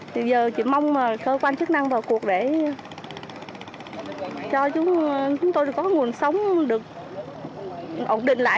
thì giờ chỉ mong cơ quan chức năng vào cuộc để cho chúng tôi có nguồn sống được ổn định lại